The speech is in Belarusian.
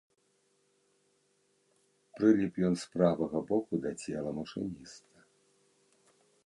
Прыліп ён з правага боку да цела машыніста.